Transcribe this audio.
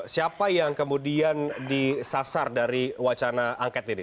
siapa yang kemudian disasar dari wacana angket ini